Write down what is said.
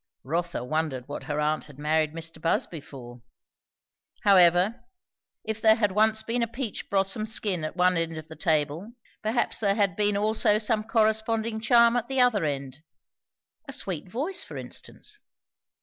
Rotha wondered what her aunt had married Mr. Busby for! However, if there had once been a peach blossom skin at one end of the table, perhaps there had been also some corresponding charm at the other end; a sweet voice, for instance.